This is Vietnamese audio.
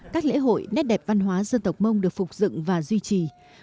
các lễ hội nét đẹp văn hóa dân tộc mông được phục dựng và duy trì